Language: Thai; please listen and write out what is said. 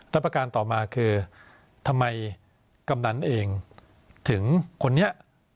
ประการต่อมาคือทำไมกำนันเองถึงคนนี้